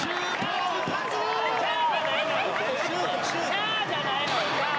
「ヤー！！」じゃないのよ。